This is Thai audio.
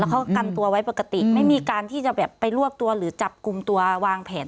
เขากันตัวไว้ปกติไม่มีการที่จะแบบไปรวบตัวหรือจับกลุ่มตัววางแผน